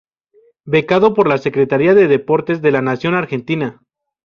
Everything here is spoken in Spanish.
Becado por la Secretaría de Deportes de la Nación Argentina.